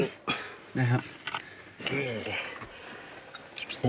ได้ครับ